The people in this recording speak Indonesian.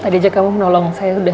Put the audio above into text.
tadi aja kamu menolong saya udah